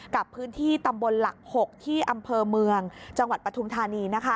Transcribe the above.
กับพื้นที่ตำบลหลัก๖ที่อำเภอเมืองจังหวัดปฐุมธานี